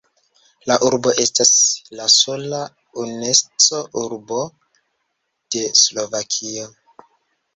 La urbo estas la sola „Unesco-urbo“ de Slovakio.